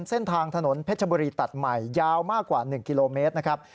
เส้นทางถนนเพชรบุรีตัดใหม่ยาวมากกว่า๑กิโลเมตรนะครับ